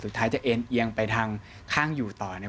สุดท้ายจะเอ็นเอียงไปทางข้างอยู่ต่อเนี่ย